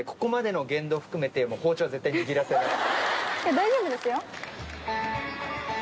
大丈夫ですよ。